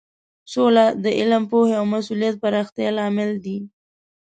سوله د علم، پوهې او مسولیت پراختیا لامل دی.